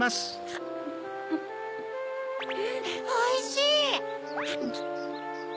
おいしい！